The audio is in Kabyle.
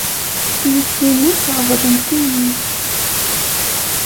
Tiyitwin-ik ɣeḍlent-iyi.